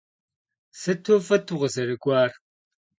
Sıtu f'ıt vukhızerık'uar.